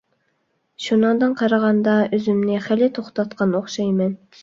شۇنىڭدىن قارىغاندا ئۆزۈمنى خېلى توختاتقان ئوخشايمەن.